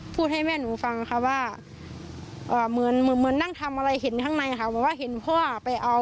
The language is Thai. ให้แม่หนูฟังค่ะว่าเหมือนเหมือนนั่งทำอะไรเห็นข้างในค่ะบอกว่าเห็นพ่อไปเอา